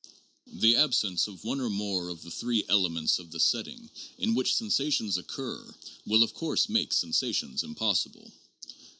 The absence of one or more of the three elements of the setting in which sensations occur will of course make sensations impossible.